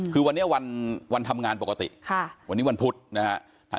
คือวันนี้วันทำงานปกติวันนี้วันพุธนะฮะ